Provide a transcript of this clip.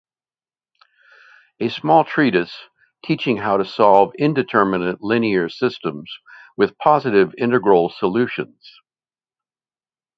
A small treatise teaching how to solve indeterminate linear systems with positive integral solutions.